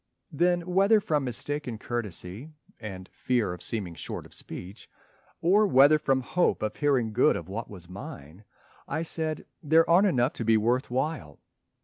Then whether from mistaken courtesy And fear of seeming short of speech, or whether From hope of hearing good of what was mine, I said, "There aren't enough to be worth while."